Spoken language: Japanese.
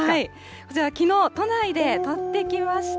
こちら、きのう都内で撮ってきました。